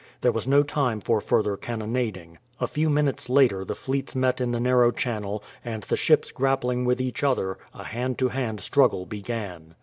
There was no time for further cannonading. A few minutes later the fleets met in the narrow channel, and the ships grappling with each other, a hand to hand struggle began.